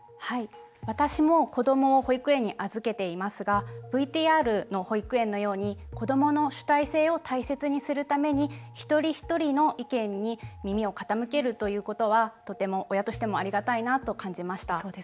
私も子どもを保育園に預けていますがＶＴＲの保育園のように子どもの主体性を大切にするために一人一人の意見に耳を傾けるということはとても親としてもありがたいなと感じました。